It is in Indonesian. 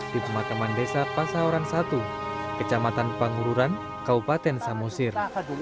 di pemakaman desa pasawaran satu kecamatan pangururan kabupaten samosir